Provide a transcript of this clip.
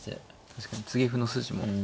確かに継ぎ歩の筋も。